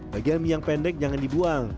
bagian mie yang pendek jangan dibuang